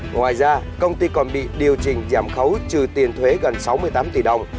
ngoài ra công ty còn bị điều chỉnh giảm khấu trừ tiền thuế gần sáu mươi tám tỷ đồng